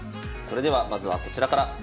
それではまずはこちらから。